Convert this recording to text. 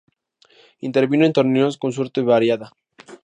Intervino en torneos con suerte variada.